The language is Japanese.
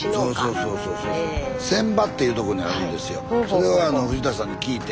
それをあの藤田さんに聞いて。